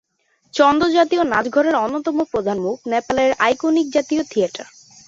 চন্দ জাতীয় নাচ’ঘরের অন্যতম প্রধান মুখ, নেপালের আইকনিক জাতীয় থিয়েটার।